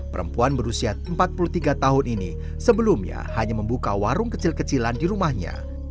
perempuan berusia empat puluh tiga tahun ini sebelumnya hanya membuka warung kecil kecilan di rumahnya